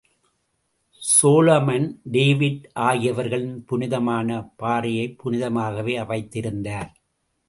Solomon David ஆகியவர்களின் புனிதமான பாறையைப் புனிதமாகவே வைத்திருந்தார்.